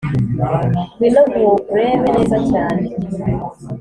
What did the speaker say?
ngwino nkurebe neza cyane